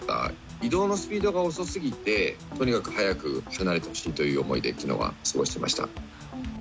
移動のスピードが遅すぎて、とにかく早く離れてほしいという思いで、きのうは過ごしてました。